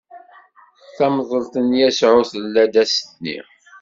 Tamḍelt n Yasuɛ tella-d ass-nni.